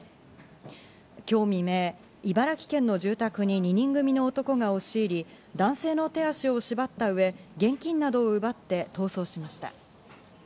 今日未明、茨城県の住宅に２人組の男が押し入り、男性の手足を縛ったうえ、現金などを奪って逃走しました。